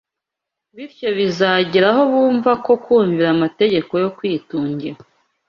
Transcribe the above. Bityo bizagera aho bumva ko kumvira amategeko yo kwitungira